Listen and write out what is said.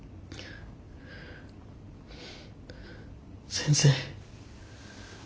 先生。